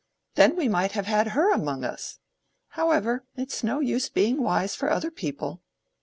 Then we might have had her among us. However!—it's no use being wise for other people.